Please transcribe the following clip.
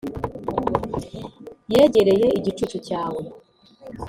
yegereye igicucu cyawe